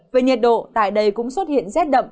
về nhiệt độ tại đây cũng xuất hiện rét đậm